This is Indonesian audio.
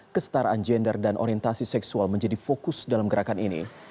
kestaraan gender dan orientasi seksual menjadi fokus dalam gerakan ini